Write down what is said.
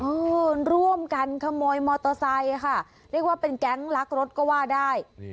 ร่วมกันขโมยมอเตอร์ไซค์ค่ะเรียกว่าเป็นแก๊งลักรถก็ว่าได้